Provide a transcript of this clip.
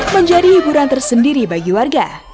menjadi hiburan tersendiri bagi warga